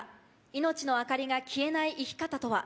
命の明かりが消えない生き方とは？